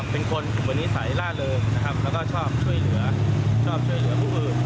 เป็นคนมีนิสัยร่าเริงแล้วก็ชอบช่วยเหลือผู้อื่น